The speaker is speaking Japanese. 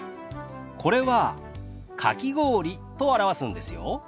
これは「かき氷」と表すんですよ。